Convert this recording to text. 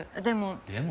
でも。